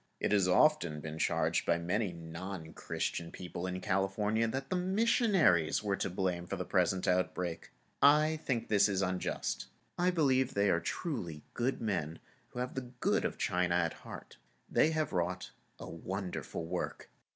It has often been charged by many non Christian people in California that the missionaries were to blame for the present outbreak. I think this is unjust. I believe they are truly good men and have the good of China at heart. They have wrought a wonderful work.